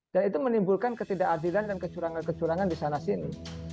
dan itu menimbulkan ketidakadilan dan kecurangan kecurangan di sana sini